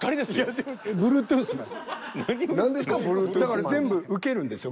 だから全部受けるんですよ